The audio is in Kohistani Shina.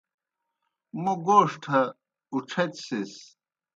موْ گوݜٹھہ اُڇھتسِس۔